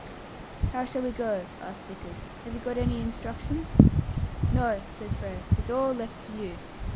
"How shall we go?" asked Vickers. "Have you got any instructions?" "No," says Frere; "it's all left to you.